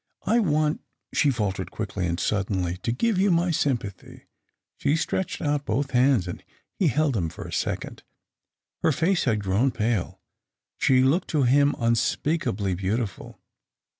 " I want," she faltered quickly and sud denly, " to give you my sympathy." She stretched out both her hands, and he held them for a second. Her face had grown pale ; she looked to him unspeakably beautiful.